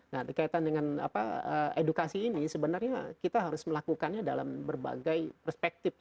nah dikaitan dengan edukasi ini sebenarnya kita harus melakukannya dalam berbagai perspektif